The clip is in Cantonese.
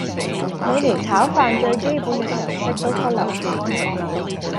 你連炒飯最基本嘅常識都忽略咗